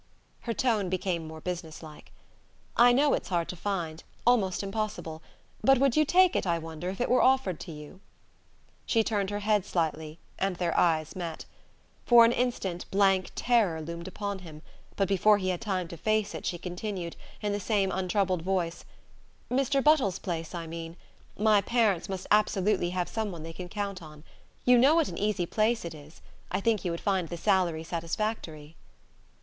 Her tone became more business like. "I know it's hard to find almost impossible. But would you take it, I wonder, if it were offered to you ?" She turned her head slightly, and their eyes met. For an instant blank terror loomed upon him; but before he had time to face it she continued, in the same untroubled voice: "Mr. Buttles's place, I mean. My parents must absolutely have some one they can count on. You know what an easy place it is.... I think you would find the salary satisfactory."